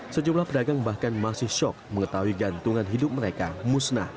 sejumlah pedagang bahkan masih shock mengetahui gantungan hidup mereka musnah